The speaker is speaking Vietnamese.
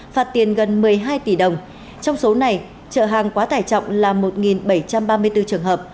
phạt tiền gần một mươi hai tỷ đồng trong số này trợ hàng quá tải trọng là một bảy trăm ba mươi bốn trường hợp